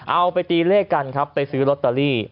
เอาไปตีเลขกันครับไปซื้อลอตเตอรี่